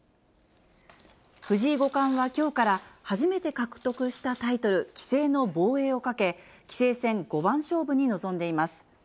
藤井五冠はきょうから、初めて獲得したタイトル、棋聖の防衛をかけ、棋聖戦五番勝負に臨んでいます。